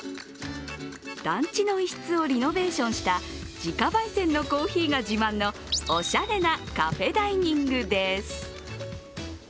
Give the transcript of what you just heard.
団地の一室をリノベーションした直ばい煎のコーヒーが自慢のおしゃれなカフェダイニングです。